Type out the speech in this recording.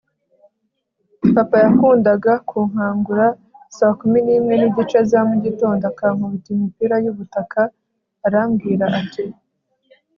papa yakundaga kunkangura saa kumi n'imwe n'igice za mugitondo akankubita imipira y'ubutaka arambwira ati